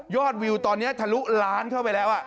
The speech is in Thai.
วิวตอนนี้ทะลุล้านเข้าไปแล้ว